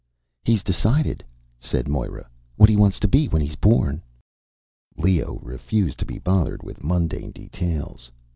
"He's decided," said Moira, "what he wants to be when he's born." Leo refused to bothered with mundane details.